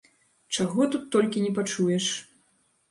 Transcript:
Чаго тут толькі не пачуеш!